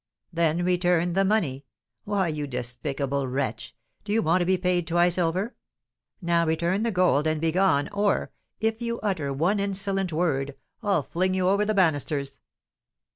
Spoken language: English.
"Then return the money! Why, you despicable wretch! do you want to be paid twice over? Now return the gold and begone, or, if you utter one insolent word, I'll fling you over the banisters!"